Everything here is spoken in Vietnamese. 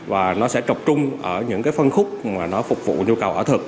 và nó sẽ trọc trung ở những phân khúc mà nó phục vụ nhu cầu ở thực